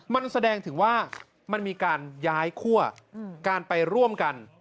มันแสดงถึงว่ามันมีการย้ายคั่วการไปร่วมกัน